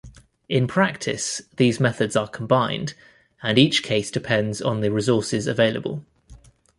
In practice these methods are combined, and each case depends on the resources available.